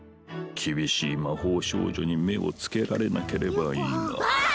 厳しい魔法少女に目をつけられなければいいがああっ！